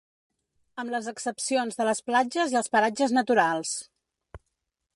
Amb les excepcions de les platges i els paratges naturals.